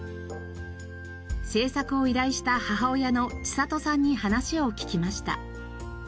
製作を依頼した母親の千里さんに話を聞きました。